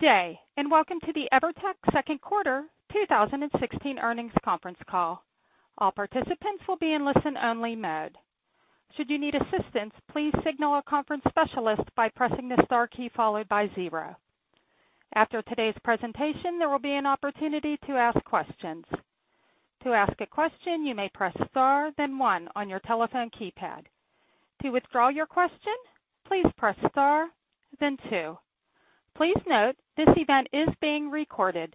Good day. Welcome to the EVERTEC second quarter 2016 earnings conference call. All participants will be in listen-only mode. Should you need assistance, please signal a conference specialist by pressing the star key followed by zero. After today's presentation, there will be an opportunity to ask questions. To ask a question, you may press star then one on your telephone keypad. To withdraw your question, please press star then two. Please note, this event is being recorded.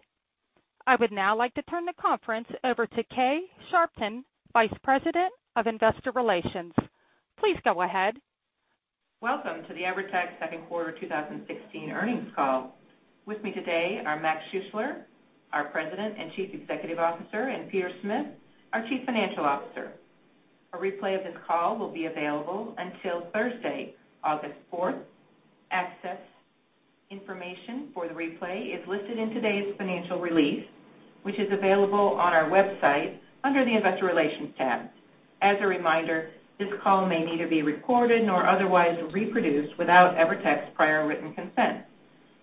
I would now like to turn the conference over to Kay Sharpton, Vice President of Investor Relations. Please go ahead. Welcome to the EVERTEC second quarter 2016 earnings call. With me today are Mac Schuessler, our President and Chief Executive Officer, and Peter Smith, our Chief Financial Officer. A replay of this call will be available until Thursday, August fourth. Access information for the replay is listed in today's financial release, which is available on our website under the Investor Relations tab. As a reminder, this call may neither be recorded nor otherwise reproduced without EVERTEC's prior written consent.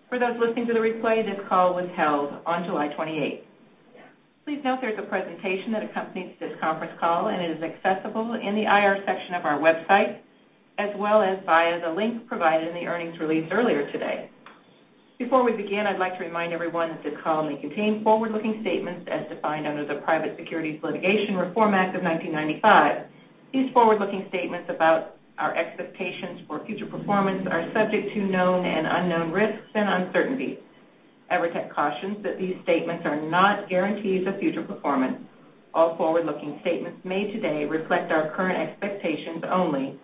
For those listening to the replay, this call was held on July 28th. Please note there is a presentation that accompanies this conference call, and it is accessible in the IR section of our website, as well as via the link provided in the earnings release earlier today. Before we begin, I'd like to remind everyone that this call may contain forward-looking statements as defined under the Private Securities Litigation Reform Act of 1995. These forward-looking statements about our expectations for future performance are subject to known and unknown risks and uncertainties. EVERTEC cautions that these statements are not guarantees of future performance. All forward-looking statements made today reflect our current expectations only.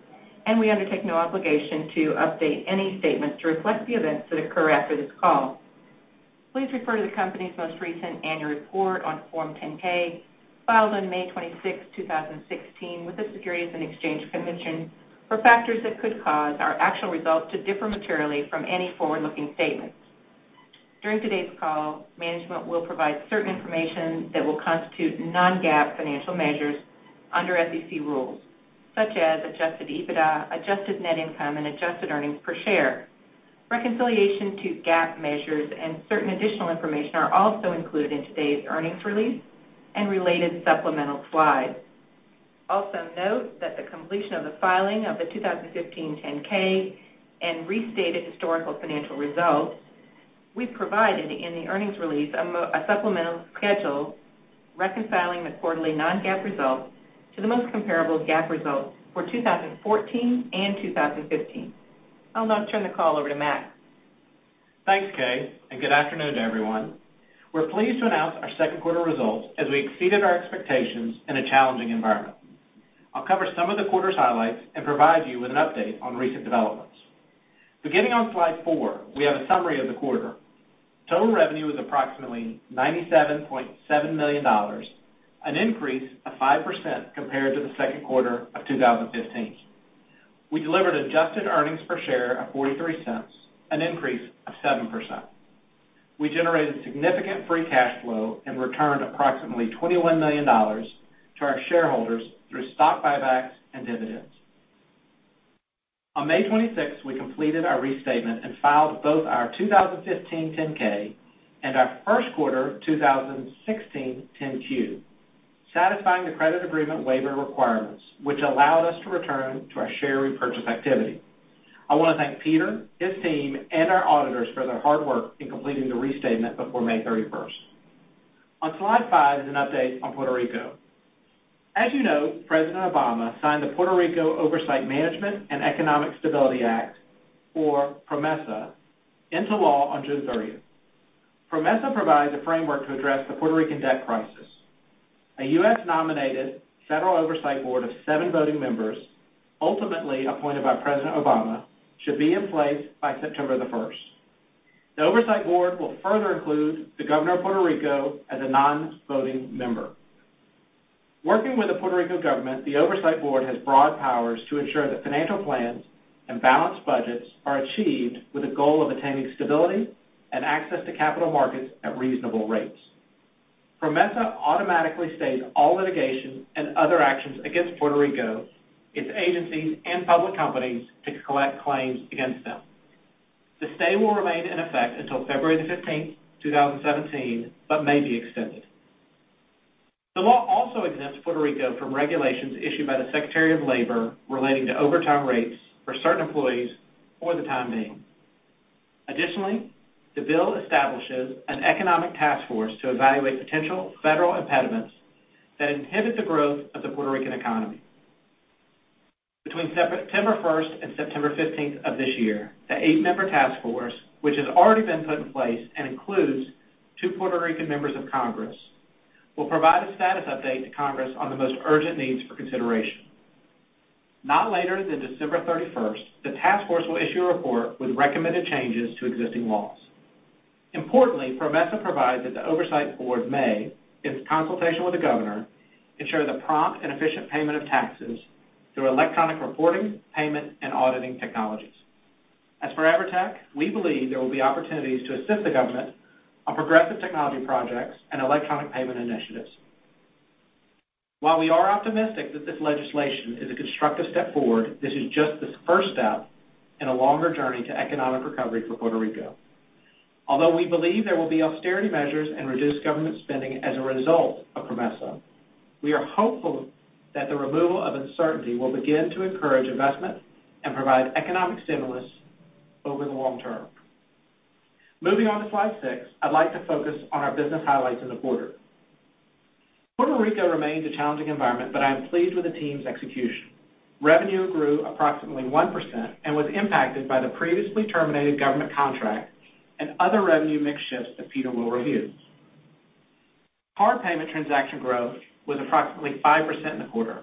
We undertake no obligation to update any statement to reflect the events that occur after this call. Please refer to the company's most recent annual report on Form 10-K, filed on May 26th, 2016, with the Securities and Exchange Commission for factors that could cause our actual results to differ materially from any forward-looking statements. During today's call, management will provide certain information that will constitute non-GAAP financial measures under SEC rules, such as adjusted EBITDA, adjusted net income, and adjusted earnings per share. Reconciliation to GAAP measures and certain additional information are also included in today's earnings release and related supplemental slides. Also note that the completion of the filing of the 2015 10-K and restated historical financial results, we've provided in the earnings release a supplemental schedule reconciling the quarterly non-GAAP results to the most comparable GAAP results for 2014 and 2015. I'll now turn the call over to Mac. Thanks, Kay, good afternoon to everyone. We're pleased to announce our second quarter results, as we exceeded our expectations in a challenging environment. I'll cover some of the quarter's highlights and provide you with an update on recent developments. Beginning on slide four, we have a summary of the quarter. Total revenue was approximately $97.7 million, an increase of 5% compared to the second quarter of 2015. We delivered adjusted earnings per share of $0.43, an increase of 7%. We generated significant free cash flow and returned approximately $21 million to our shareholders through stock buybacks and dividends. On May 26th, we completed our restatement and filed both our 2015 10-K and our first quarter 2016 10-Q, satisfying the credit agreement waiver requirements, which allowed us to return to our share repurchase activity. I want to thank Peter, his team, and our auditors for their hard work in completing the restatement before May 31st. On slide five is an update on Puerto Rico. As you know, President Obama signed the Puerto Rico Oversight, Management, and Economic Stability Act, or PROMESA, into law on June 30th. PROMESA provides a framework to address the Puerto Rican debt crisis. A U.S.-nominated federal oversight board of seven voting members, ultimately appointed by President Obama, should be in place by September the first. The oversight board will further include the governor of Puerto Rico as a non-voting member. Working with the Puerto Rico government, the oversight board has broad powers to ensure that financial plans and balanced budgets are achieved with a goal of attaining stability and access to capital markets at reasonable rates. PROMESA automatically stays all litigation and other actions against Puerto Rico, its agencies, and public companies to collect claims against them. The stay will remain in effect until February the 15th, 2017, may be extended. The law also exempts Puerto Rico from regulations issued by the Secretary of Labor relating to overtime rates for certain employees for the time being. Additionally, the bill establishes an economic task force to evaluate potential federal impediments that inhibit the growth of the Puerto Rican economy. Between September first and September 15th of this year, the eight-member task force, which has already been put in place and includes two Puerto Rican members of Congress, will provide a status update to Congress on the most urgent needs for consideration. Not later than December 31st, the task force will issue a report with recommended changes to existing laws. Importantly, PROMESA provides that the oversight board may, in consultation with the governor, ensure the prompt and efficient payment of taxes through electronic reporting, payment, and auditing technologies. As for EVERTEC, we believe there will be opportunities to assist the government on progressive technology projects and electronic payment initiatives. While we are optimistic that this legislation is a constructive step forward, this is just the first step in a longer journey to economic recovery for Puerto Rico. Although we believe there will be austerity measures and reduced government spending as a result of PROMESA, we are hopeful that the removal of uncertainty will begin to encourage investment and provide economic stimulus over the long term. Moving on to slide six, I'd like to focus on our business highlights in the quarter. Puerto Rico remains a challenging environment, I am pleased with the team's execution. Revenue grew approximately 1% and was impacted by the previously terminated government contract and other revenue mix shifts that Peter Smith will review. Card payment transaction growth was approximately 5% in the quarter,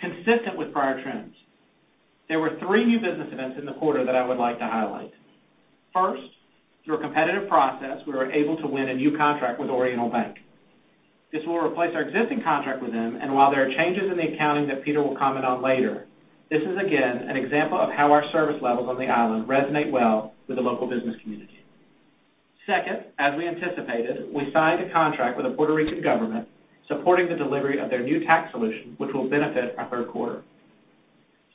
consistent with prior trends. There were three new business events in the quarter that I would like to highlight. First, through a competitive process, we were able to win a new contract with Oriental Bank. This will replace our existing contract with them, and while there are changes in the accounting that Peter Smith will comment on later, this is again an example of how our service levels on the island resonate well with the local business community. Second, as we anticipated, we signed a contract with the Puerto Rican government supporting the delivery of their new tax solution, which will benefit our third quarter.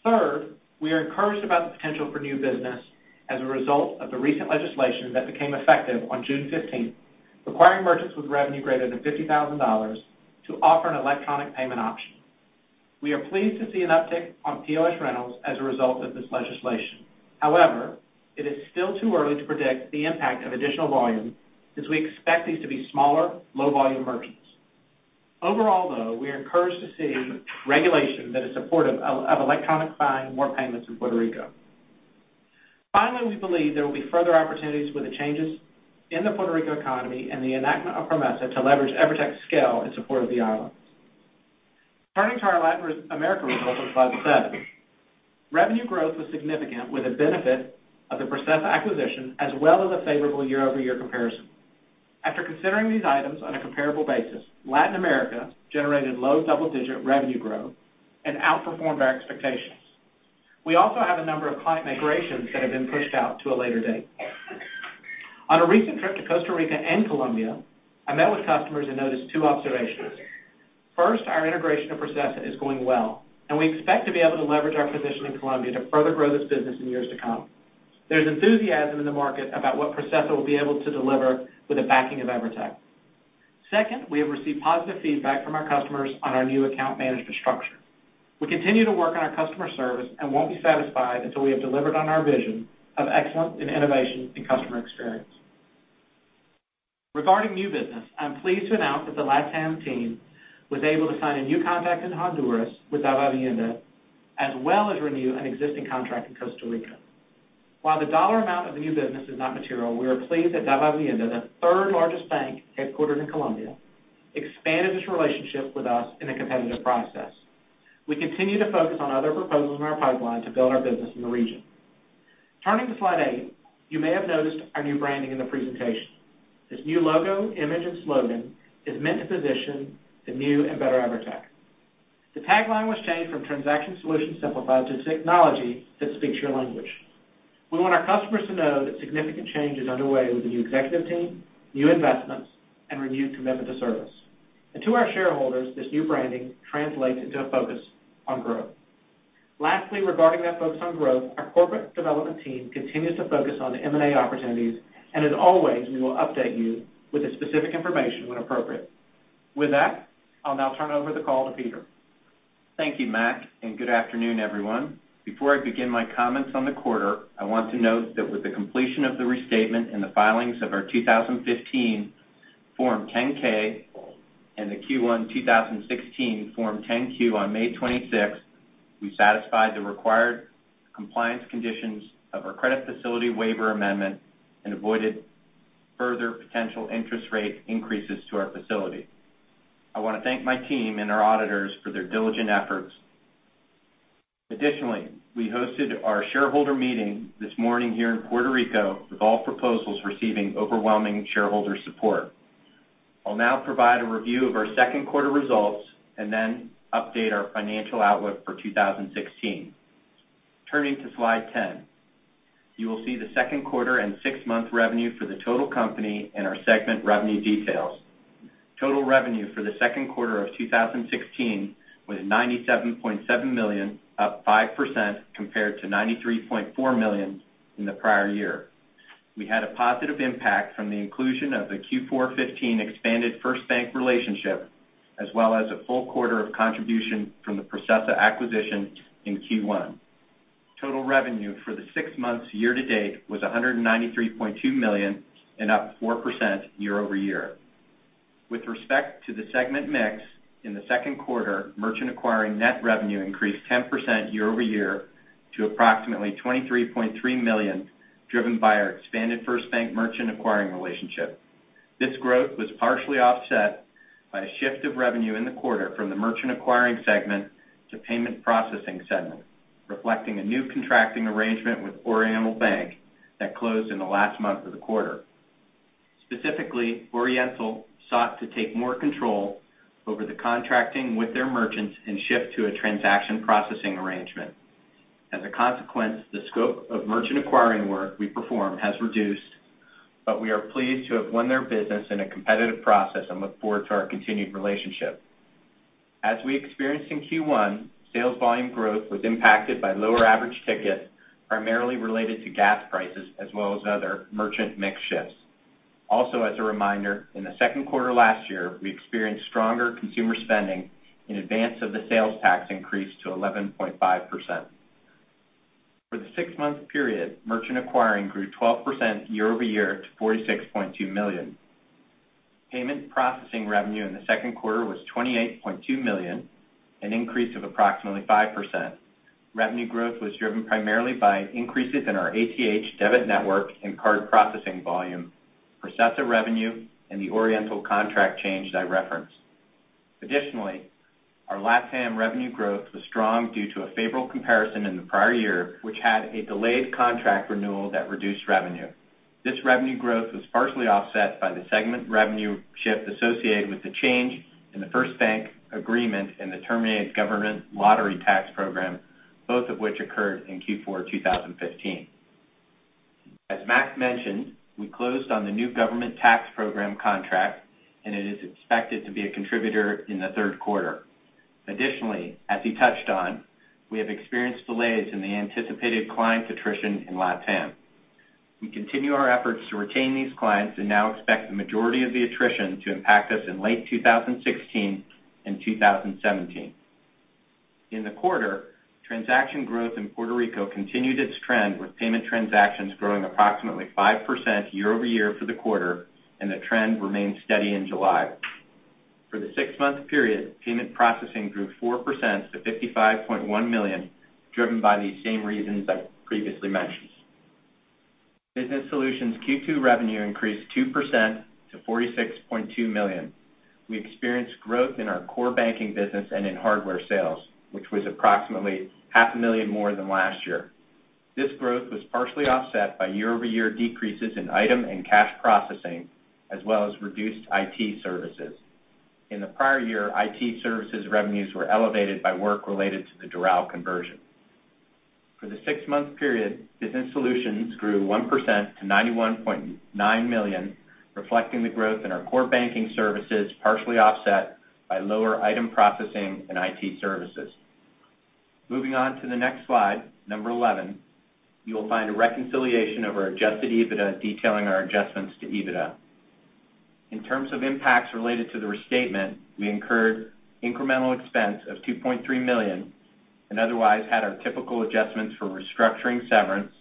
Third, we are encouraged about the potential for new business as a result of the recent legislation that became effective on June 15th, requiring merchants with revenue greater than $50,000 to offer an electronic payment option. We are pleased to see an uptick on POS rentals as a result of this legislation. However, it is still too early to predict the impact of additional volume since we expect these to be smaller, low-volume merchants. Overall, though, we are encouraged to see regulation that is supportive of electronic seamless payments in Puerto Rico. Finally, we believe there will be further opportunities with the changes in the Puerto Rico economy and the enactment of PROMESA to leverage EVERTEC's scale in support of the island. Turning to our Latin America results on slide seven. Revenue growth was significant with the benefit of the Processa acquisition as well as a favorable year-over-year comparison. After considering these items on a comparable basis, Latin America generated low double-digit revenue growth and outperformed our expectations. We also have a number of client migrations that have been pushed out to a later date. On a recent trip to Costa Rica and Colombia, I met with customers and noticed two observations. First, our integration of Processa is going well, and we expect to be able to leverage our position in Colombia to further grow this business in years to come. There's enthusiasm in the market about what Processa will be able to deliver with the backing of EVERTEC. Second, we have received positive feedback from our customers on our new account management structure. We continue to work on our customer service and won't be satisfied until we have delivered on our vision of excellence in innovation and customer experience. Regarding new business, I'm pleased to announce that the LatAm team was able to sign a new contract in Honduras with Davivienda, as well as renew an existing contract in Costa Rica. While the dollar amount of the new business is not material, we are pleased that Davivienda, the third-largest bank headquartered in Colombia, expanded its relationship with us in a competitive process. We continue to focus on other proposals in our pipeline to build our business in the region. Turning to slide eight, you may have noticed our new branding in the presentation. This new logo, image, and slogan is meant to position the new and better EVERTEC. The tagline was changed from "Transaction solutions simplified" to "Technology that speaks your language." We want our customers to know that significant change is underway with the new executive team, new investments, and renewed commitment to service. To our shareholders, this new branding translates into a focus on growth. Lastly, regarding that focus on growth, our corporate development team continues to focus on the M&A opportunities, and as always, we will update you with the specific information when appropriate. With that, I will now turn over the call to Peter. Thank you, Mac, good afternoon, everyone. Before I begin my comments on the quarter, I want to note that with the completion of the restatement and the filings of our 2015 Form 10-K and the Q1 2016 Form 10-Q on May 26th, we satisfied the required compliance conditions of our credit facility waiver amendment and avoided further potential interest rate increases to our facility. I want to thank my team and our auditors for their diligent efforts. Additionally, we hosted our shareholder meeting this morning here in Puerto Rico with all proposals receiving overwhelming shareholder support. I will now provide a review of our second quarter results then update our financial outlook for 2016. Turning to slide 10, you will see the second quarter and six-month revenue for the total company and our segment revenue details. Total revenue for the second quarter of 2016 was $97.7 million, up 5% compared to $93.4 million in the prior year. We had a positive impact from the inclusion of the Q4 '15 expanded FirstBank relationship, as well as a full quarter of contribution from the Processa acquisition in Q1. Total revenue for the six months year to date was $193.2 million and up 4% year-over-year. With respect to the segment mix in the second quarter, merchant acquiring net revenue increased 10% year-over-year to approximately $23.3 million, driven by our expanded FirstBank merchant acquiring relationship. This growth was partially offset by a shift of revenue in the quarter from the merchant acquiring segment to payment processing segment, reflecting a new contracting arrangement with Oriental Bank that closed in the last month of the quarter. Specifically, Oriental sought to take more control over the contracting with their merchants and shift to a transaction processing arrangement. As a consequence, the scope of merchant acquiring work we perform has reduced, we are pleased to have won their business in a competitive process and look forward to our continued relationship. As we experienced in Q1, sales volume growth was impacted by lower average ticket, primarily related to gas prices, as well as other merchant mix shifts. Also, as a reminder, in the second quarter last year, we experienced stronger consumer spending in advance of the sales tax increase to 11.5%. For the six-month period, merchant acquiring grew 12% year-over-year to $46.2 million. Payment processing revenue in the second quarter was $28.2 million, an increase of approximately 5%. Revenue growth was driven primarily by increases in our ATH debit network and card processing volume, Processa revenue, and the Oriental Bank contract change that I referenced. Additionally, our LatAm revenue growth was strong due to a favorable comparison in the prior year, which had a delayed contract renewal that reduced revenue. This revenue growth was partially offset by the segment revenue shift associated with the change in the FirstBank agreement and the terminated government lottery tax program, both of which occurred in Q4 2015. As Mac mentioned, we closed on the new government tax program contract, and it is expected to be a contributor in the third quarter. Additionally, as he touched on, we have experienced delays in the anticipated client attrition in LatAm. We continue our efforts to retain these clients and now expect the majority of the attrition to impact us in late 2016 and 2017. In the quarter, transaction growth in Puerto Rico continued its trend, with payment transactions growing approximately 5% year-over-year for the quarter, and the trend remained steady in July. For the six-month period, payment processing grew 4% to $55.1 million, driven by the same reasons I previously mentioned. Business Solutions Q2 revenue increased 2% to $46.2 million. We experienced growth in our core banking business and in hardware sales, which was approximately half a million more than last year. This growth was partially offset by year-over-year decreases in item and cash processing, as well as reduced IT services. In the prior year, IT services revenues were elevated by work related to the Doral Bank conversion. For the six-month period, Business Solutions grew 1% to $91.9 million, reflecting the growth in our core banking services, partially offset by lower item processing and IT services. Moving on to the next slide 11, you will find a reconciliation of our adjusted EBITDA detailing our adjustments to EBITDA. In terms of impacts related to the restatement, we incurred incremental expense of $2.3 million and otherwise had our typical adjustments for restructuring severance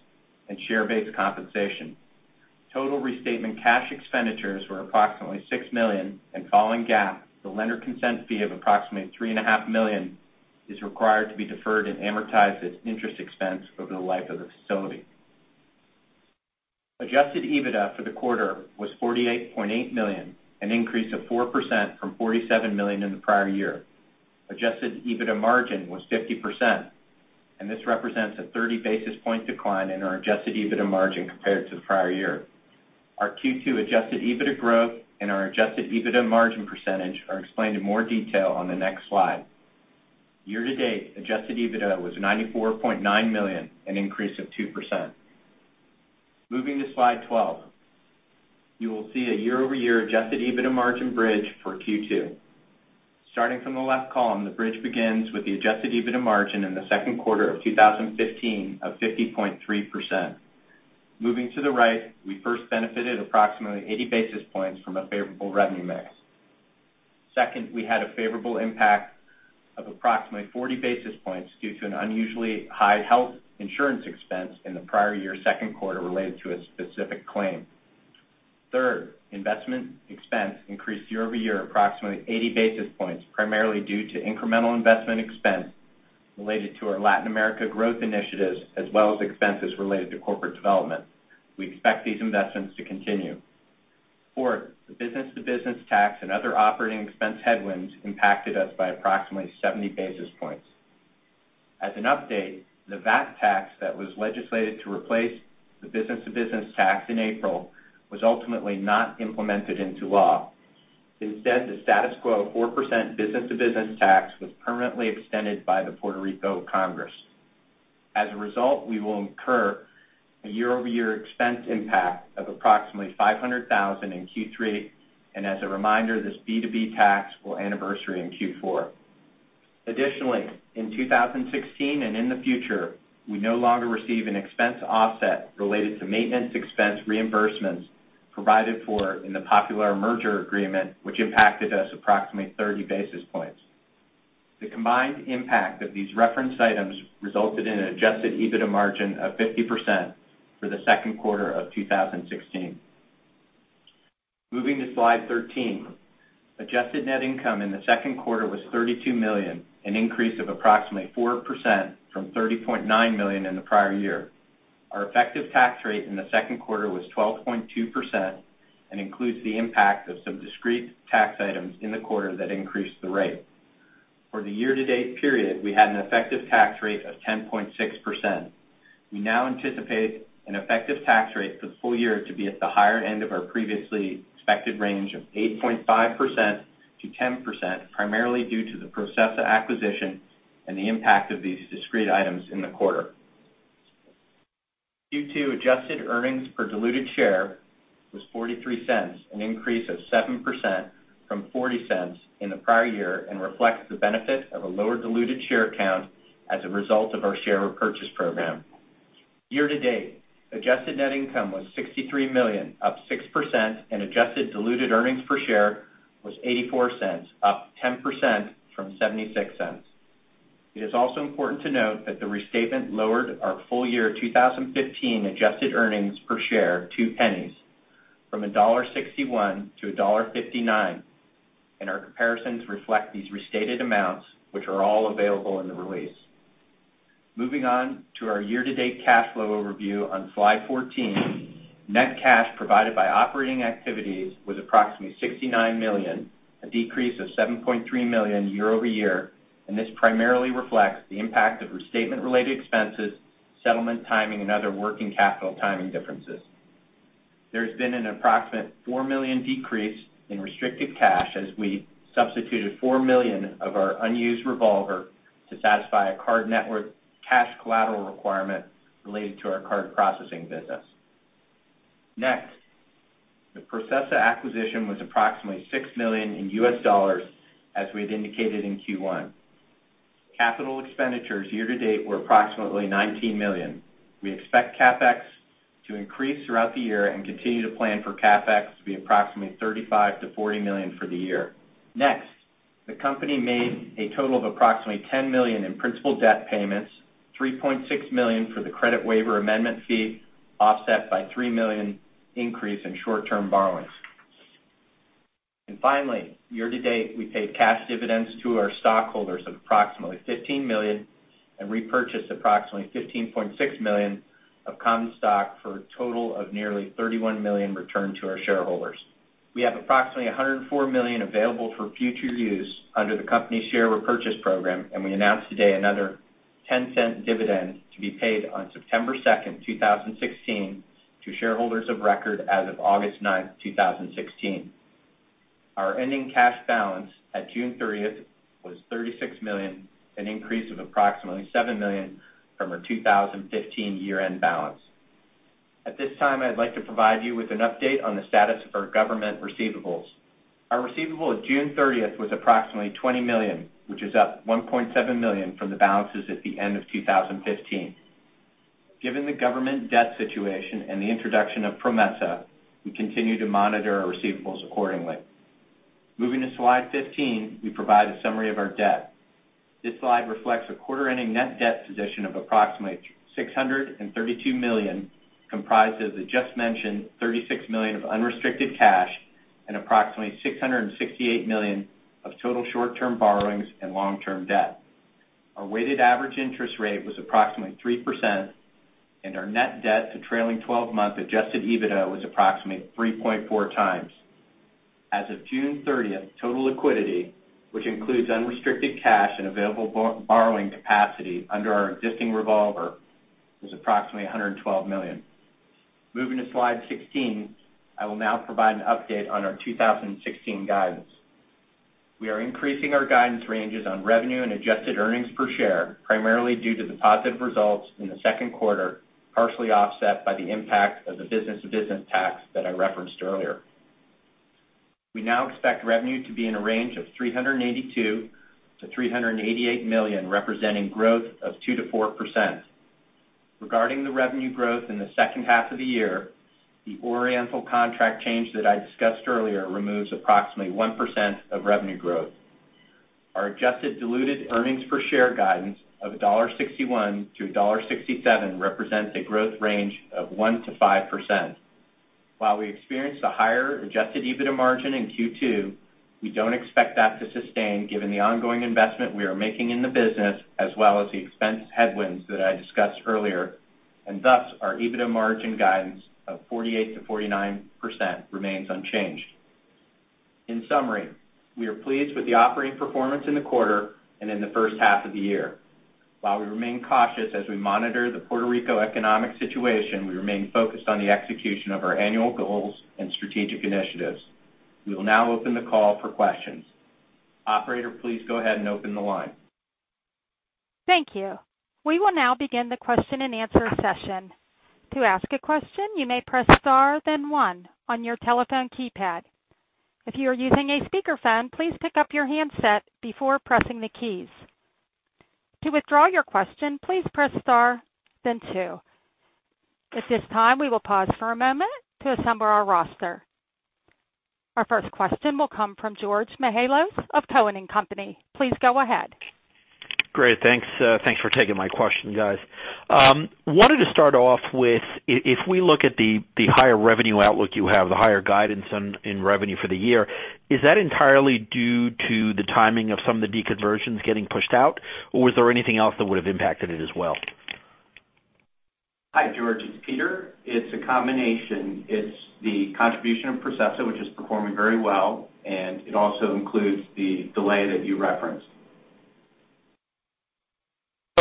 and share-based compensation. Total restatement cash expenditures were approximately $6 million and following GAAP, the lender consent fee of approximately $3.5 million is required to be deferred and amortized as interest expense over the life of the facility. Adjusted EBITDA for the quarter was $48.8 million, an increase of 4% from $47 million in the prior year. Adjusted EBITDA margin was 50%, and this represents a 30-basis point decline in our adjusted EBITDA margin compared to the prior year. Our Q2 adjusted EBITDA growth and our adjusted EBITDA margin % are explained in more detail on the next slide. Year-to-date, adjusted EBITDA was $94.9 million, an increase of 2%. Moving to slide 12. You will see a year-over-year adjusted EBITDA margin bridge for Q2. Starting from the left column, the bridge begins with the adjusted EBITDA margin in the second quarter of 2015 of 50.3%. Moving to the right, we first benefited approximately 80 basis points from a favorable revenue mix. Second, we had a favorable impact of approximately 40 basis points due to an unusually high health insurance expense in the prior year second quarter related to a specific claim. Third, investment expense increased year-over-year approximately 80 basis points, primarily due to incremental investment expense related to our Latin America growth initiatives, as well as expenses related to corporate development. We expect these investments to continue. Fourth, the B2B tax and other operating expense headwinds impacted us by approximately 70 basis points. As an update, the VAT tax that was legislated to replace the business-to-business tax in April was ultimately not implemented into law. Instead, the status quo 4% business-to-business tax was permanently extended by the Puerto Rico Legislative Assembly. As a result, we will incur a year-over-year expense impact of approximately $500,000 in Q3. As a reminder, this B2B tax will anniversary in Q4. Additionally, in 2016 and in the future, we no longer receive an expense offset related to maintenance expense reimbursements provided for in the Popular merger agreement, which impacted us approximately 30 basis points. The combined impact of these referenced items resulted in an adjusted EBITDA margin of 50% for the second quarter of 2016. Moving to slide 13. Adjusted net income in the second quarter was $32 million, an increase of approximately 4% from $30.9 million in the prior year. Our effective tax rate in the second quarter was 12.2% and includes the impact of some discrete tax items in the quarter that increased the rate. For the year-to-date period, we had an effective tax rate of 10.6%. We now anticipate an effective tax rate for the full year to be at the higher end of our previously expected range of 8.5%-10%, primarily due to the Processa acquisition and the impact of these discrete items in the quarter. Q2 adjusted earnings per diluted share was $0.43, an increase of 7% from $0.40 in the prior year, and reflects the benefit of a lower diluted share count as a result of our share repurchase program. Year-to-date, adjusted net income was $63 million, up 6%, and adjusted diluted earnings per share was $0.84, up 10% from $0.76. It is also important to note that the restatement lowered our full year 2015 adjusted earnings per share $0.02 from $1.61-$1.59, and our comparisons reflect these restated amounts, which are all available in the release. Moving on to our year-to-date cash flow overview on slide 14. Net cash provided by operating activities was approximately $69 million, a decrease of $7.3 million year-over-year, and this primarily reflects the impact of restatement-related expenses, settlement timing, and other working capital timing differences. There's been an approximate $4 million decrease in restricted cash as we substituted $4 million of our unused revolver to satisfy a card network cash collateral requirement related to our card processing business. Next, the Processa acquisition was approximately $6 million in U.S. dollars, as we had indicated in Q1. Capital expenditures year-to-date were approximately $19 million. We expect CapEx to increase throughout the year and continue to plan for CapEx to be approximately $35 million-$40 million for the year. Next, the company made a total of approximately $10 million in principal debt payments, $3.6 million for the credit waiver amendment fee, offset by $3 million increase in short-term borrowings. Finally, year-to-date, we paid cash dividends to our stockholders of approximately $15 million and repurchased approximately $15.6 million of common stock, for a total of nearly $31 million returned to our shareholders. We have approximately $104 million available for future use under the company share repurchase program, and we announced today another $0.10 dividend to be paid on September 2nd, 2016, to shareholders of record as of August 9th, 2016. Our ending cash balance at June 30th was $36 million, an increase of approximately $7 million from our 2015 year-end balance. At this time, I'd like to provide you with an update on the status of our government receivables. Our receivable at June 30th was approximately $20 million, which is up $1.7 million from the balances at the end of 2015. Given the government debt situation and the introduction of PROMESA, we continue to monitor our receivables accordingly. Moving to slide 15, we provide a summary of our debt. This slide reflects a quarter-ending net debt position of approximately $632 million, comprised of the just mentioned $36 million of unrestricted cash and approximately $668 million of total short-term borrowings and long-term debt. Our weighted average interest rate was approximately 3%, and our net debt to trailing 12-month adjusted EBITDA was approximately 3.4 times. As of June 30th, total liquidity, which includes unrestricted cash and available borrowing capacity under our existing revolver, was approximately $112 million. Moving to slide 16, I will now provide an update on our 2016 guidance. We are increasing our guidance ranges on revenue and adjusted earnings per share, primarily due to the positive results in the second quarter, partially offset by the impact of the business-to-business tax that I referenced earlier. We now expect revenue to be in a range of $382 million-$388 million, representing growth of 2%-4%. Regarding the revenue growth in the second half of the year, the Oriental contract change that I discussed earlier removes approximately 1% of revenue growth. Our adjusted diluted earnings per share guidance of $1.61-$1.67 represents a growth range of 1%-5%. While we experienced a higher adjusted EBITDA margin in Q2, we don't expect that to sustain given the ongoing investment we are making in the business as well as the expense headwinds that I discussed earlier. Thus, our EBITDA margin guidance of 48%-49% remains unchanged. In summary, we are pleased with the operating performance in the quarter and in the first half of the year. While we remain cautious as we monitor the Puerto Rico economic situation, we remain focused on the execution of our annual goals and strategic initiatives. We will now open the call for questions. Operator, please go ahead and open the line. Thank you. We will now begin the question and answer session. To ask a question, you may press star then one on your telephone keypad. If you are using a speakerphone, please pick up your handset before pressing the keys. To withdraw your question, please press star then two. At this time, we will pause for a moment to assemble our roster. Our first question will come from George Mihalos of Cowen and Company. Please go ahead. Great. Thanks. Thanks for taking my question, guys. Wanted to start off with, if we look at the higher revenue outlook you have, the higher guidance in revenue for the year, is that entirely due to the timing of some of the deconversions getting pushed out, or was there anything else that would have impacted it as well? Hi, George, it's Peter. It's a combination. It's the contribution of Processa, which is performing very well, and it also includes the delay that you referenced.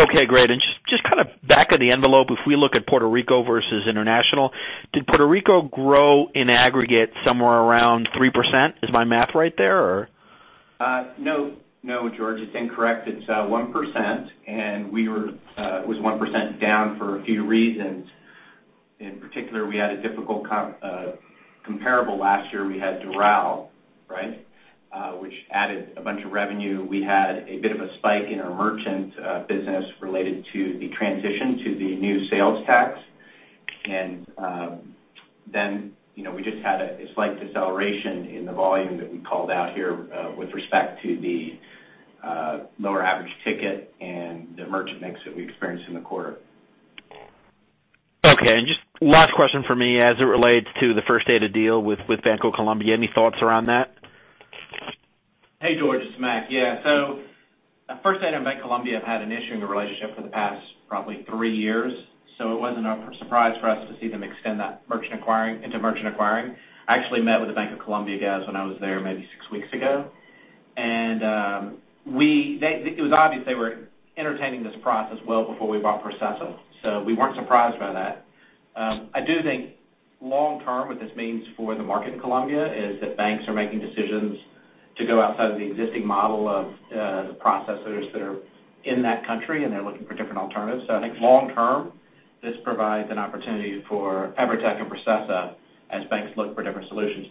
Okay, great. Just back of the envelope, if we look at Puerto Rico versus international, did Puerto Rico grow in aggregate somewhere around 3%? Is my math right there or? No, George, it's incorrect. It's 1%, and it was 1% down for a few reasons. In particular, we had a difficult comparable last year. We had Doral, which added a bunch of revenue. We had a bit of a spike in our merchant business related to the transition to the new sales tax. Then we just had a slight deceleration in the volume that we called out here with respect to the lower average ticket and the merchant mix that we experienced in the quarter. Okay. Just last question from me as it relates to the First Data deal with Bancolombia. Any thoughts around that? Hey, George, it's Mac. First Data in Bancolombia have had an issue in the relationship for the past, probably three years. It wasn't a surprise for us to see them extend that into merchant acquiring. I actually met with the Bancolombia guys when I was there maybe six weeks ago. It was obvious they were entertaining this process well before we bought Processa. We weren't surprised by that. I do think long term, what this means for the market in Colombia is that banks are making decisions to go outside of the existing model of the processors that are in that country, and they're looking for different alternatives. I think long term, this provides an opportunity for EVERTEC and Processa as banks look for different solutions.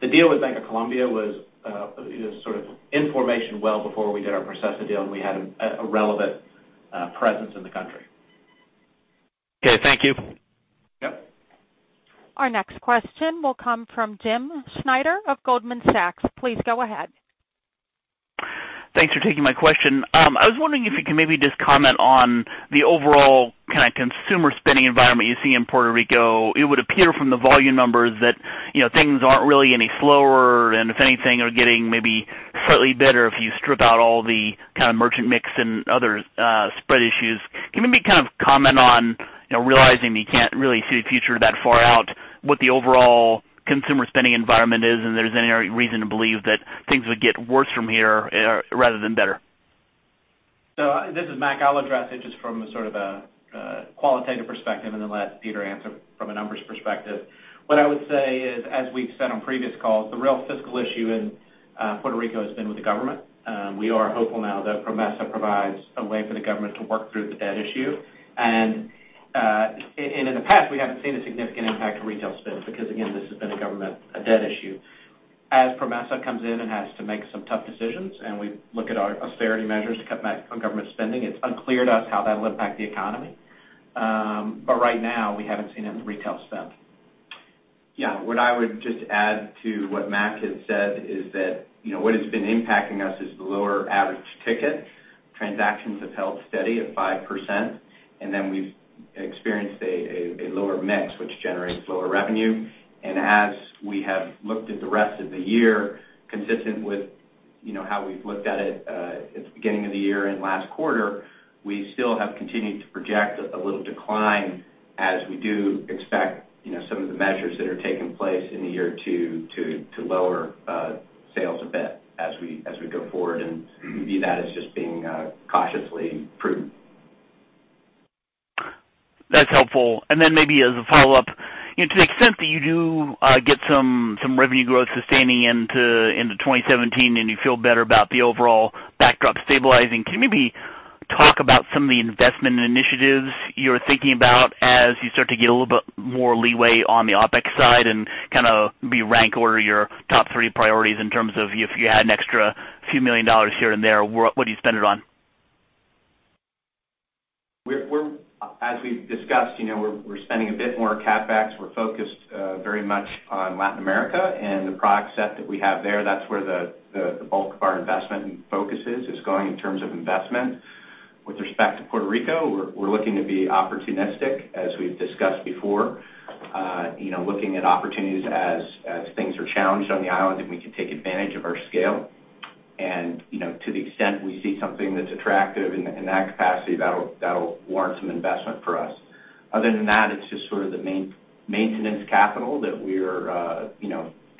The deal with Bancolombia was sort of in formation well before we did our Processa deal, and we had a relevant presence in the country. Okay, thank you. Yep. Our next question will come from Jim Schneider of Goldman Sachs. Please go ahead. Thanks for taking my question. I was wondering if you could maybe just comment on the overall kind of consumer spending environment you see in Puerto Rico. It would appear from the volume numbers that things aren't really any slower and if anything, are getting maybe slightly better if you strip out all the kind of merchant mix and other spread issues. Can you maybe kind of comment on, realizing that you can't really see the future that far out, what the overall consumer spending environment is and if there's any reason to believe that things would get worse from here rather than better? This is Mac. I'll address it just from a sort of a qualitative perspective and then let Peter answer from a numbers perspective. What I would say is, as we've said on previous calls, the real fiscal issue in Puerto Rico has been with the government. We are hopeful now that PROMESA provides a way for the government to work through the debt issue. In the past, we haven't seen a significant impact to retail spend because, again, this has been a government debt issue. As PROMESA comes in and has to make some tough decisions, and we look at our austerity measures to cut back on government spending, it's unclear to us how that will impact the economy. Right now, we haven't seen it in retail spend. Yeah. What I would just add to what Mac had said is that what has been impacting us is the lower average ticket. Transactions have held steady at 5%. Then we've experienced a lower mix, which generates lower revenue. As we have looked at the rest of the year, consistent with how we've looked at it at the beginning of the year and last quarter, we still have continued to project a little decline as we do expect some of the measures that are taking place in the year to lower sales a bit as we go forward, and view that as just being cautiously prudent. That's helpful. Then maybe as a follow-up, to the extent that you do get some revenue growth sustaining into 2017 and you feel better about the overall backdrop stabilizing, can you maybe talk about some of the investment initiatives you're thinking about as you start to get a little bit more leeway on the OpEx side and kind of maybe rank order your top three priorities in terms of if you had an extra few million dollars here and there, what do you spend it on? As we've discussed, we're spending a bit more CapEx. We're focused very much on Latin America and the product set that we have there. That's where the bulk of our investment and focus is going in terms of investment. With respect to Puerto Rico, we're looking to be opportunistic, as we've discussed before. Looking at opportunities as things are challenged on the island, and we can take advantage of our scale. To the extent we see something that's attractive in that capacity, that'll warrant some investment for us. Other than that, it's just sort of the maintenance capital that we're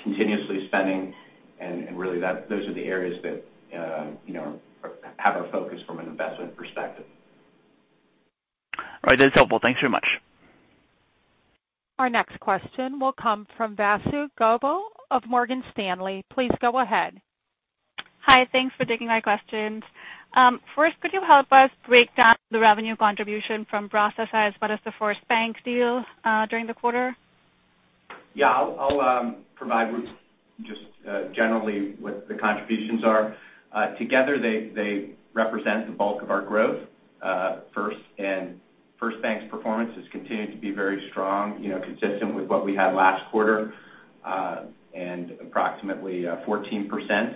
continuously spending, and really those are the areas that have our focus from an investment perspective. All right. That's helpful. Thanks very much. Our next question will come from Vasu Govil of Morgan Stanley. Please go ahead. Hi, thanks for taking my questions. First, could you help us break down the revenue contribution from Processa as well as the FirstBank deal during the quarter? Yeah, I'll provide just generally what the contributions are. Together, they represent the bulk of our growth. FirstBank's performance has continued to be very strong, consistent with what we had last quarter, and approximately 14%,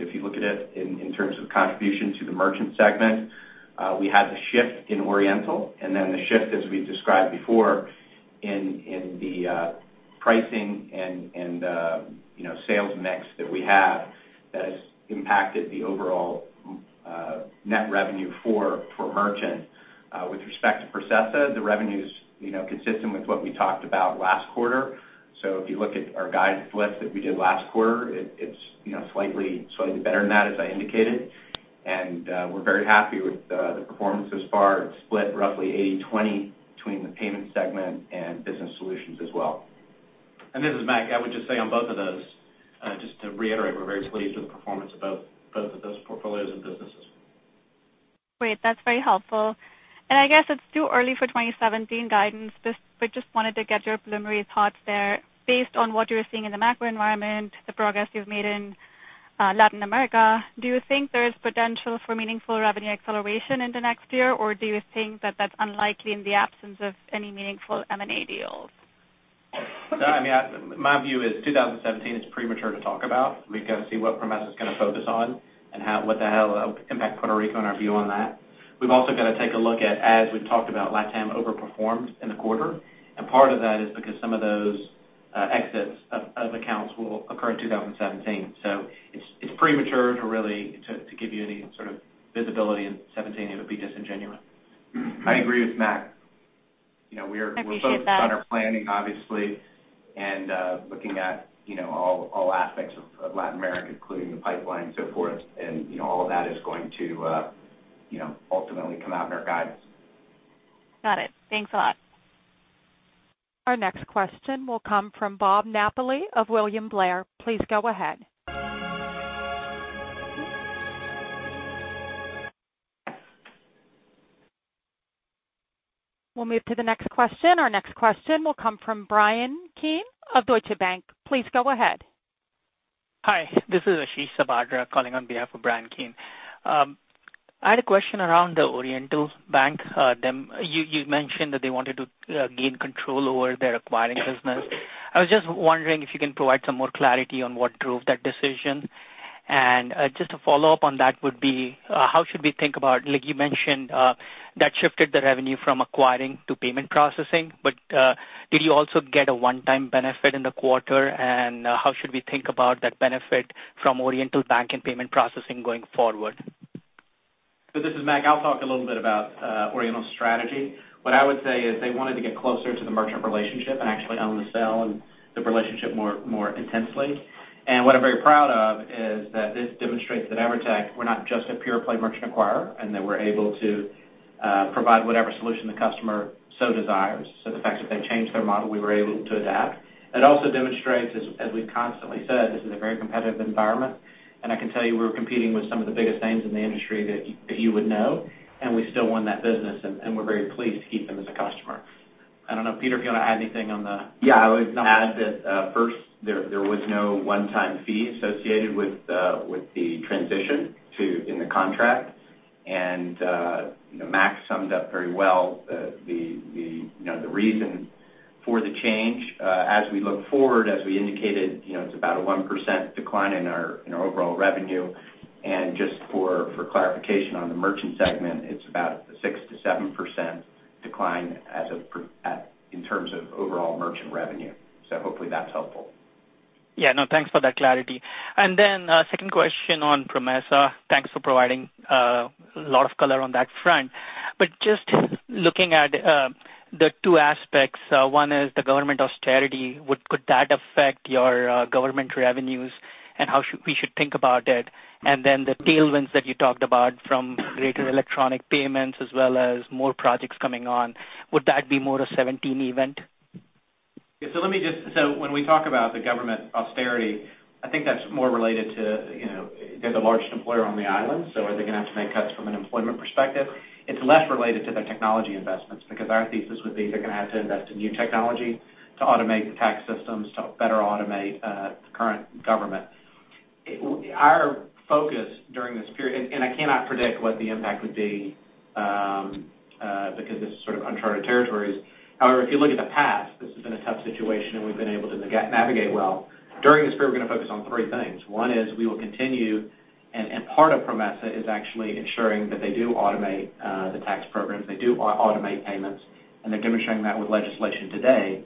if you look at it in terms of contribution to the merchant segment. We had the shift in Oriental and then the shift, as we described before, in the pricing and sales mix that we have that has impacted the overall net revenue for merchant. With respect to Processa, the revenue's consistent with what we talked about last quarter. If you look at our guidance lift that we did last quarter, it's slightly better than that, as I indicated. We're very happy with the performance thus far. It's split roughly 80/20 between the payments segment and business solutions as well. This is Mac. I would just say on both of those, just to reiterate, we're very pleased with the performance of both of those portfolios and businesses. Great. That's very helpful. I guess it's too early for 2017 guidance, but just wanted to get your preliminary thoughts there. Based on what you're seeing in the macro environment, the progress you've made in Latin America, do you think there is potential for meaningful revenue acceleration in the next year, or do you think that that's unlikely in the absence of any meaningful M&A deals? My view is 2017 is premature to talk about. We've got to see what PROMESA is going to focus on and [what the impact] Puerto Rico and our view on that. We've also got to take a look at, as we've talked about, LatAm over-performs in the quarter, and part of that is because some of those exits of accounts will occur in 2017. It's premature to really give you any sort of visibility in 2017. It would be disingenuous. I agree with Mac. I appreciate that. We're focused on our planning, obviously, and looking at all aspects of Latin America, including the pipeline and so forth. All of that is going to ultimately come out in our guidance. Got it. Thanks a lot. Our next question will come from Bob Napoli of William Blair. Please go ahead. We'll move to the next question. Our next question will come from Bryan Keane of Deutsche Bank. Please go ahead. Hi, this is Ashish Sabadra calling on behalf of Bryan Keane. I had a question around the Oriental Bank. You mentioned that they wanted to gain control over their acquiring business. I was just wondering if you can provide some more clarity on what drove that decision. Just a follow-up on that would be, how should we think about you mentioned that shifted the revenue from acquiring to payment processing, did you also get a one-time benefit in the quarter and how should we think about that benefit from Oriental Bank and payment processing going forward? This is Mac. I'll talk a little bit about Oriental's strategy. What I would say is they wanted to get closer to the merchant relationship and actually own the sale and the relationship more intensely. What I'm very proud of is that this demonstrates that EVERTEC, we're not just a pure-play merchant acquirer and that we're able to provide whatever solution the customer so desires. The fact that they changed their model, we were able to adapt. It also demonstrates, as we've constantly said, this is a very competitive environment, and I can tell you we're competing with some of the biggest names in the industry that you would know, and we still won that business, and we're very pleased to keep them as a customer. I don't know, Peter, if you want to add anything. I would add that first, there was no one-time fee associated with the transition in the contract. Mac summed up very well the reason for the change. As we look forward, as we indicated, it is about a 1% decline in our overall revenue. Just for clarification on the merchant segment, it is about a 6%-7% decline in terms of overall merchant revenue. Hopefully that is helpful. Thanks for that clarity. Second question on PROMESA. Thanks for providing a lot of color on that front. Just looking at the two aspects. One is the government austerity. Could that affect your government revenues, and how we should think about it? The tailwinds that you talked about from greater electronic payments as well as more projects coming on. Would that be more a 2017 event? When we talk about the government austerity, I think that is more related to they are the largest employer on the island, so are they going to have to make cuts from an employment perspective? It is less related to their technology investments because our thesis would be they are going to have to invest in new technology to automate the tax systems, to better automate the current government. Our focus during this period, I cannot predict what the impact would be because this is sort of uncharted territories. However, if you look at the past, this has been a tough situation, and we have been able to navigate well. During this period, we are going to focus on three things. One is we will continue, part of PROMESA is actually ensuring that they do automate the tax programs, they do automate payments, and they are demonstrating that with legislation today.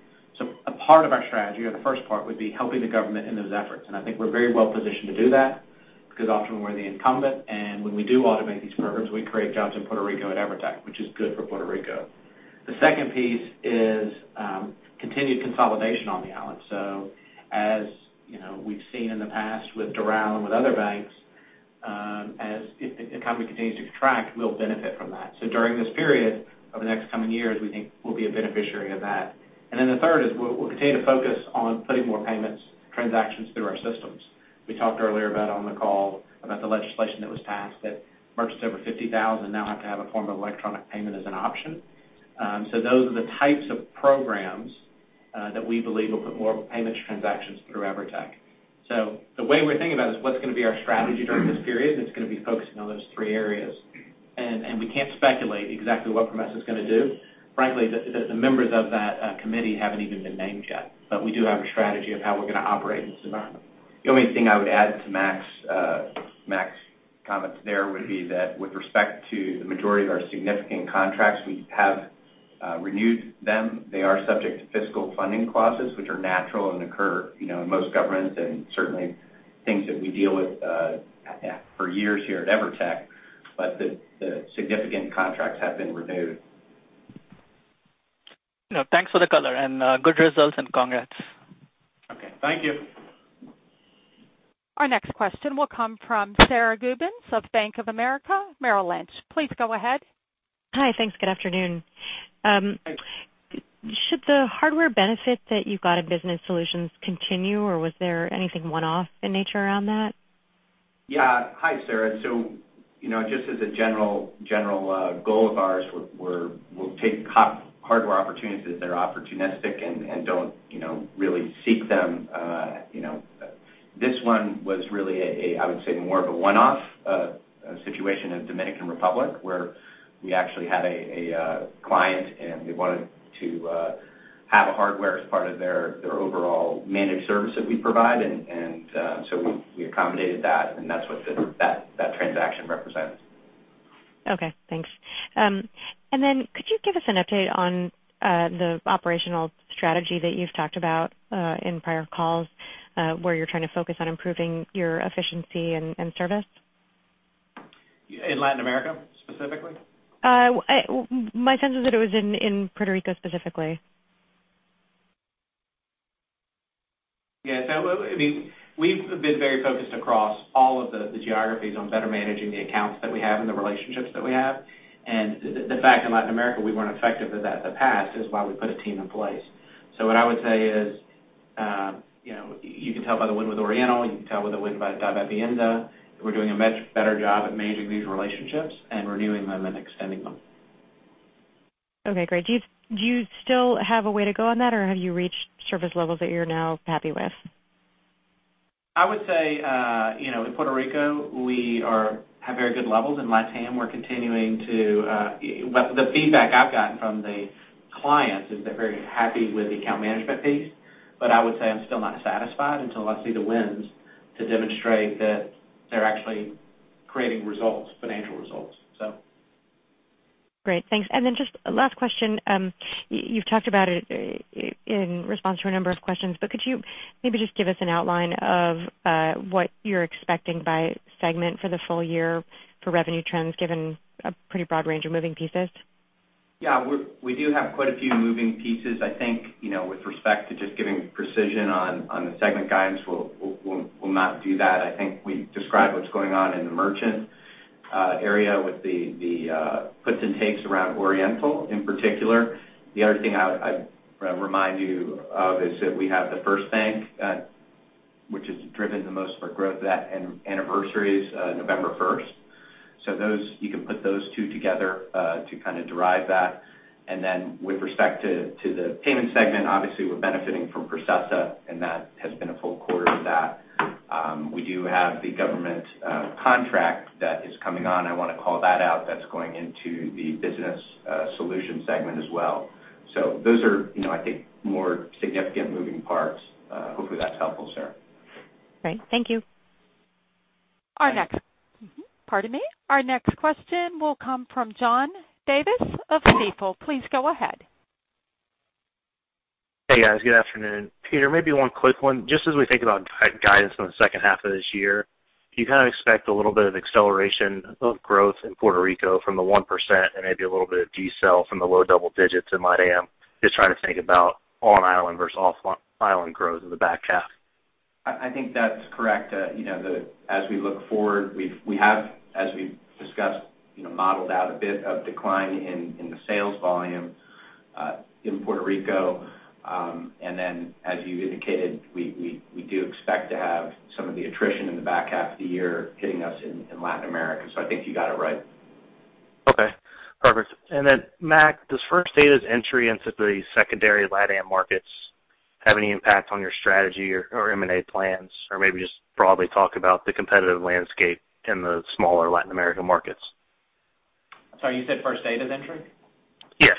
A part of our strategy or the first part would be helping the government in those efforts, I think we are very well positioned to do that because often we are the incumbent, and when we do automate these programs, we create jobs in Puerto Rico at EVERTEC, which is good for Puerto Rico. The second piece is continued consolidation on the island. As we have seen in the past with Doral and with other banks, as the economy continues to contract, we will benefit from that. The third is we will continue to focus on putting more payments transactions through our systems. We talked earlier on the call about the legislation that was passed that merchants over 50,000 now have to have a form of electronic payment as an option. Those are the types of programs that we believe will put more payments transactions through EVERTEC. The way we're thinking about is what's going to be our strategy during this period, and it's going to be focusing on those three areas. We can't speculate exactly what PROMESA is going to do. Frankly, the members of that committee haven't even been named yet. We do have a strategy of how we're going to operate in this environment. The only thing I would add to Mac's comments there would be that with respect to the majority of our significant contracts, we have renewed them. They are subject to fiscal funding clauses, which are natural and occur in most governments and certainly things that we deal with for years here at EVERTEC. The significant contracts have been renewed. No, thanks for the color and good results and congrats. Okay, thank you. Our next question will come from Sara Gubins of Bank of America Merrill Lynch. Please go ahead. Hi. Thanks. Good afternoon. Thanks. Should the hardware benefit that you got in business solutions continue, or was there anything one-off in nature around that? Yeah. Hi, Sara. Just as a general goal of ours, we'll take hardware opportunities that are opportunistic and don't really seek them. This one was really, I would say, more of a one-off situation in Dominican Republic, where we actually had a client, and they wanted to have a hardware as part of their overall managed service that we provide. We accommodated that, and that's what that transaction represents. Okay, thanks. Could you give us an update on the operational strategy that you've talked about in prior calls, where you're trying to focus on improving your efficiency and service? In Latin America, specifically? My sense is that it was in Puerto Rico specifically. Yeah. I mean, we've been very focused across all of the geographies on better managing the accounts that we have and the relationships that we have. The fact in Latin America, we weren't effective at that in the past is why we put a team in place. What I would say is you can tell by the win with Oriental, you can tell by the win by Davivienda, we're doing a much better job at managing these relationships and renewing them and extending them. Okay, great. Do you still have a way to go on that, or have you reached service levels that you're now happy with? I would say, in Puerto Rico, we have very good levels. In LatAm, the feedback I've gotten from the clients is they're very happy with the account management piece. I would say I'm still not satisfied until I see the wins to demonstrate that they're actually creating results, financial results. Great, thanks. Just last question. You've talked about it in response to a number of questions, but could you maybe just give us an outline of what you're expecting by segment for the full year for revenue trends, given a pretty broad range of moving pieces? Yeah. We do have quite a few moving pieces. I think, with respect to just giving precision on the segment guidance, we'll not do that. I think we described what's going on in the merchant area with the puts and takes around Oriental, in particular. The other thing I'd remind you of is that we have the FirstBank, which has driven the most of our growth, that anniversary's November 1st. You can put those two together to kind of derive that. With respect to the payment segment, obviously, we're benefiting from Processa, and that has been a full quarter of that. We do have the government contract that is coming on. I want to call that out. That's going into the business solution segment as well. Those are, I think, more significant moving parts. Hopefully, that's helpful, Sara. Great. Thank you. Our next question will come from John Davis of Stifel. Please go ahead. Hey, guys. Good afternoon. Peter, maybe one quick one. Just as we think about guidance on the second half of this year, do you kind of expect a little bit of acceleration of growth in Puerto Rico from the 1% and maybe a little bit of decel from the low double digits in LatAm? Just trying to think about on-island versus off-island growth in the back half. I think that's correct. As we look forward, we have, as we've discussed, modeled out a bit of decline in the sales volume in Puerto Rico. As you indicated, we do expect to have some of the attrition in the back half of the year hitting us in Latin America. I think you got it right. Okay, perfect. Mac, does First Data's entry into the secondary LatAm markets have any impact on your strategy or M&A plans, or maybe just broadly talk about the competitive landscape in the smaller Latin American markets? Sorry, you said First Data's entry? Yes.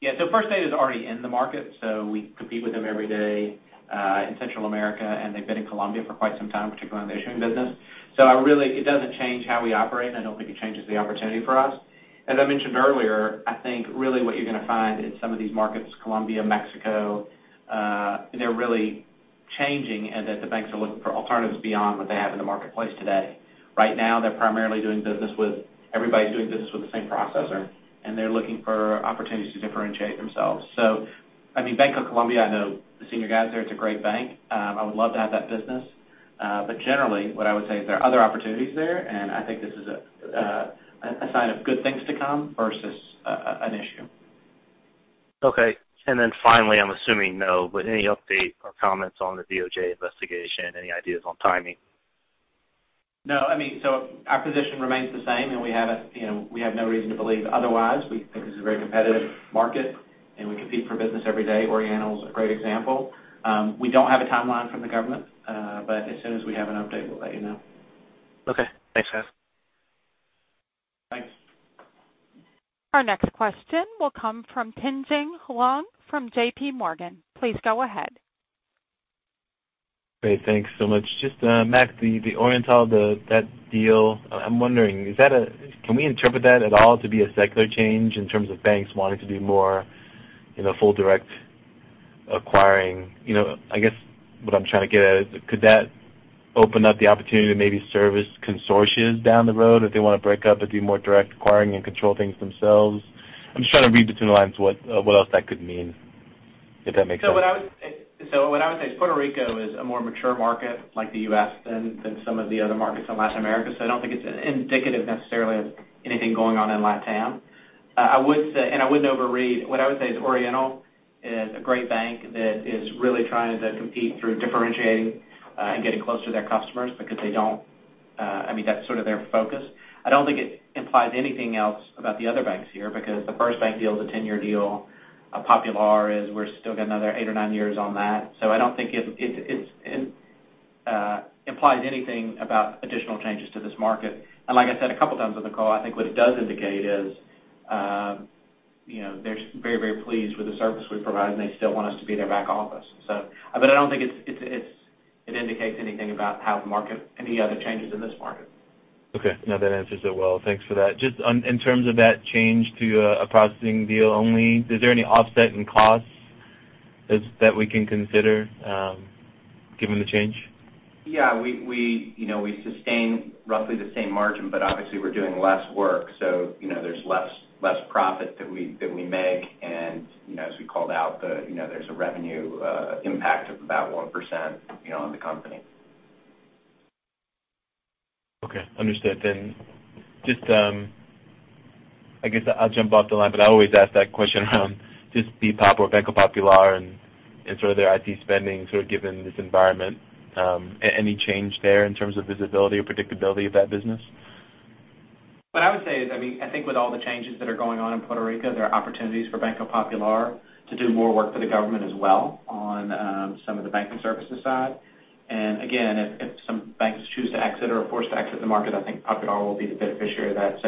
Yeah. First Data's already in the market, we compete with them every day in Central America, and they've been in Colombia for quite some time, particularly in the issuing business. It doesn't change how we operate, and I don't think it changes the opportunity for us. As I mentioned earlier, I think really what you're going to find in some of these markets, Colombia, Mexico, they're really changing and that the banks are looking for alternatives beyond what they have in the marketplace today. Right now, everybody's doing business with the same processor, and they're looking for opportunities to differentiate themselves. I mean, Bancolombia, I know the senior guys there. It's a great bank. I would love to have that business. Generally, what I would say is there are other opportunities there, and I think this is a sign of good things to come versus an issue. Okay. Finally, I'm assuming no, but any update or comments on the DOJ investigation? Any ideas on timing? No. I mean, our position remains the same, and we have no reason to believe otherwise. We think this is a very competitive market, and we compete for business every day. Oriental's a great example. We don't have a timeline from the government, but as soon as we have an update, we'll let you know. Okay. Thanks, guys. Thanks. Our next question will come from Tien-Tsin Huang from JP Morgan. Please go ahead. Great. Thanks so much. Just, Mac, the Oriental Bank, that deal, I'm wondering, can we interpret that at all to be a secular change in terms of banks wanting to do more full direct Acquiring. I guess what I'm trying to get at is could that open up the opportunity to maybe service consortia down the road if they want to break up and do more direct acquiring and control things themselves? I'm just trying to read between the lines what else that could mean, if that makes sense. What I would say is Puerto Rico is a more mature market like the U.S. than some of the other markets in Latin America, so I don't think it's indicative necessarily of anything going on in LatAm. I wouldn't overread. What I would say is Oriental Bank is a great bank that is really trying to compete through differentiating and getting closer to their customers because That's sort of their focus. I don't think it implies anything else about the other banks here, because the FirstBank deal is a 10-year deal. Popular is, we're still got another eight or nine years on that. I don't think it implies anything about additional changes to this market. Like I said a couple times on the call, I think what it does indicate is they're very pleased with the service we provide, and they still want us to be their back office. I don't think it indicates anything about any other changes in this market. Okay. That answers it well. Thanks for that. Just in terms of that change to a processing deal only, is there any offset in costs that we can consider given the change? We sustain roughly the same margin, obviously, we're doing less work, there's less profit that we make, as we called out, there's a revenue impact of about 1% on the company. Okay, understood. Just, I guess I'll jump off the line, I always ask that question around just BPOP or Banco Popular and sort of their IT spending, sort of given this environment. Any change there in terms of visibility or predictability of that business? What I would say is, I think with all the changes that are going on in Puerto Rico, there are opportunities for Banco Popular to do more work for the government as well on some of the banking services side. Again, if some banks choose to exit or are forced to exit the market, I think Popular will be the beneficiary of that.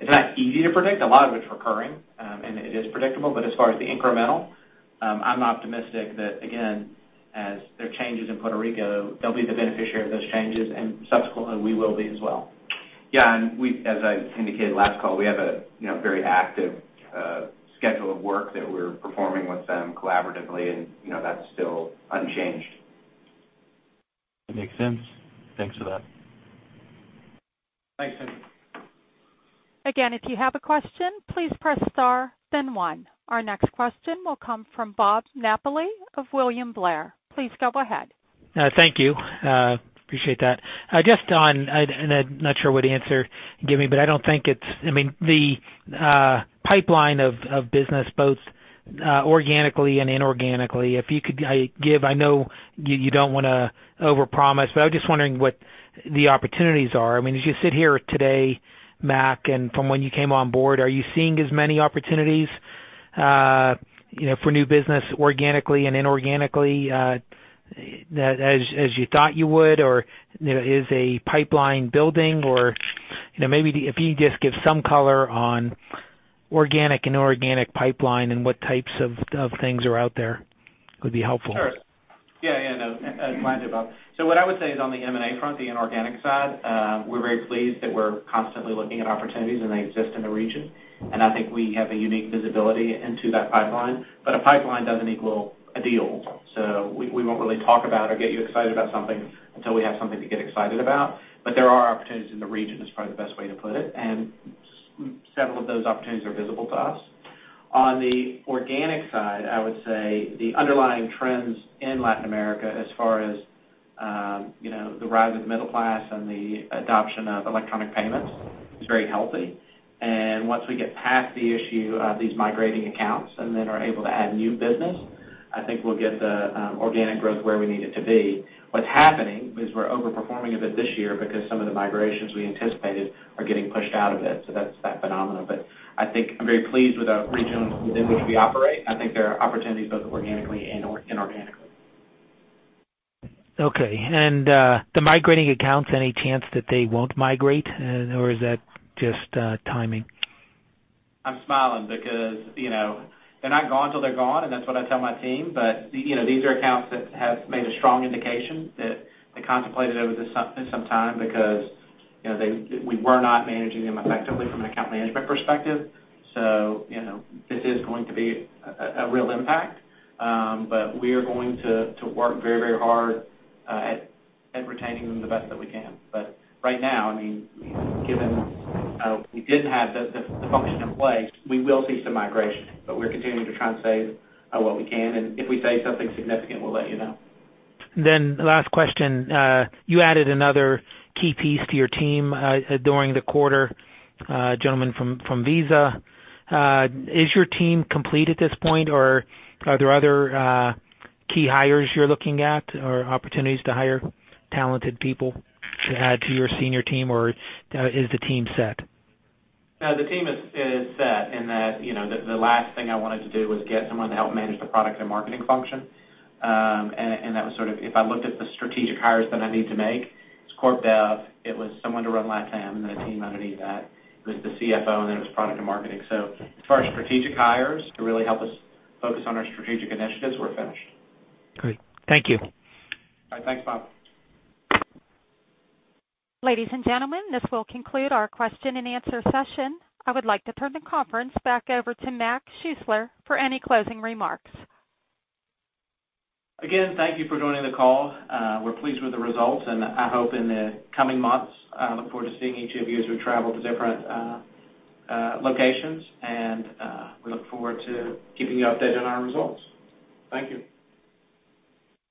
It's not easy to predict. A lot of it's recurring, it is predictable, as far as the incremental, I'm optimistic that, again, as there are changes in Puerto Rico, they'll be the beneficiary of those changes, subsequently, we will be as well. Yeah. As I indicated last call, we have a very active schedule of work that we're performing with them collaboratively, and that's still unchanged. That makes sense. Thanks for that. Thanks, Tien-Tsin. Again, if you have a question, please press star then one. Our next question will come from Bob Napoli of William Blair. Please go ahead. Thank you. Appreciate that. Just on. I'm not sure what answer you can give me, but I don't think it's The pipeline of business, both organically and inorganically, if you could give, I know you don't want to overpromise, but I was just wondering what the opportunities are. As you sit here today, Mac, and from when you came on board, are you seeing as many opportunities for new business organically and inorganically as you thought you would? Is a pipeline building? Maybe if you could just give some color on organic and inorganic pipeline and what types of things are out there would be helpful. Sure. Yeah, I know. Mind you, Bob. What I would say is on the M&A front, the inorganic side, we're very pleased that we're constantly looking at opportunities, and they exist in the region, and I think we have a unique visibility into that pipeline. A pipeline doesn't equal a deal. We won't really talk about or get you excited about something until we have something to get excited about. There are opportunities in the region, is probably the best way to put it, and several of those opportunities are visible to us. On the organic side, I would say the underlying trends in Latin America as far as the rise of middle class and the adoption of electronic payments is very healthy. Once we get past the issue of these migrating accounts, are able to add new business, I think we'll get the organic growth where we need it to be. What's happening is we're over-performing a bit this year because some of the migrations we anticipated are getting pushed out a bit. That's that phenomenon. I think I'm very pleased with the region within which we operate. I think there are opportunities both organically and inorganically. Okay. The migrating accounts, any chance that they won't migrate, or is that just timing? I'm smiling because they're not gone till they're gone, and that's what I tell my team. These are accounts that have made a strong indication that they contemplated over this sometime because we were not managing them effectively from an account management perspective. This is going to be a real impact. We are going to work very, very hard at retaining them the best that we can. Right now, given we didn't have the function in place, we will see some migration. We're continuing to try and save what we can, and if we save something significant, we'll let you know. Last question. You added another key piece to your team during the quarter, a gentleman from Visa. Is your team complete at this point, or are there other key hires you're looking at or opportunities to hire talented people to add to your senior team, or is the team set? No, the team is set in that the last thing I wanted to do was get someone to help manage the product and marketing function. That was sort of if I looked at the strategic hires that I need to make, it's corp dev, it was someone to run LatAm, and then a team underneath that. It was the CFO, and then it was product and marketing. As far as strategic hires to really help us focus on our strategic initiatives, we're finished. Great. Thank you. All right. Thanks, Bob. Ladies and gentlemen, this will conclude our question and answer session. I would like to turn the conference back over to Mac Schuessler for any closing remarks. Again, thank you for joining the call. We're pleased with the results, and I hope in the coming months, I look forward to seeing each of you as we travel to different locations. We look forward to keeping you updated on our results. Thank you.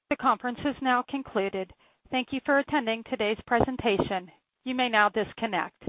The conference has now concluded. Thank you for attending today's presentation. You may now disconnect.